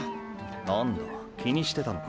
何だ気にしてたのか。